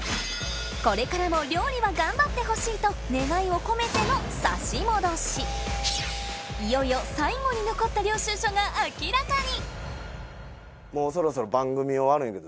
これからも料理は頑張ってほしいと願いを込めてのいよいよ最後に残った領収書が明らかにもうそろそろ。